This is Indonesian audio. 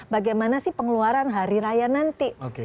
bagaimana sih pengeluaran hari raya nanti